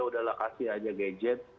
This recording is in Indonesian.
sudah kasih saja gadget